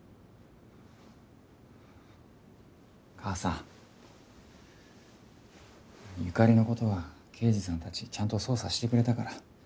母さん由香里のことは刑事さんたちちゃんと捜査してくれたから。